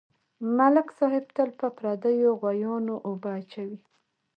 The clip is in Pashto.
ملک صاحب تل په پردیو غویانواوبه اچوي.